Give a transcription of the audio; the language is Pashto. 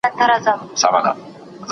په دې ښار کي تل د عدالت ږغ پورته کېږي.